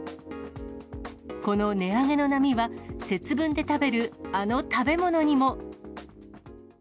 この値上げの波は、節分で食べる、あの食べ物にも。